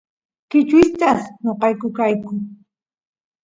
kichwistas noqayku kayku